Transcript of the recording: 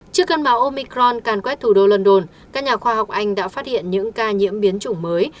trước cơn bão omicron càn quét thủ đô london các nhà khoa học anh đã phát hiện những ca nhiễm biến chủng mới